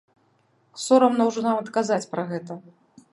Сорамна ўжо нават казаць пра гэта.